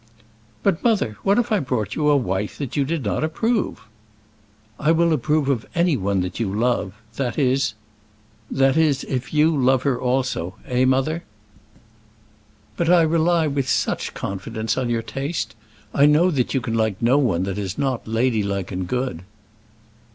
"But, mother, what if I brought you a wife that you did not approve?" "I will approve of any one that you love; that is " "That is, if you love her also; eh, mother?" "But I rely with such confidence on your taste. I know that you can like no one that is not lady like and good."